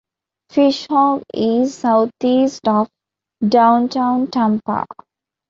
FishHawk is southeast of downtown Tampa.